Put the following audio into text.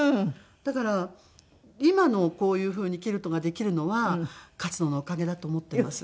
だから今のこういうふうにキルトができるのは勝野のおかげだと思っています。